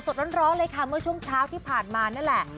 สดร้อนเลยค่ะเมื่อช่วงเช้าที่ผ่านมานั่นแหละ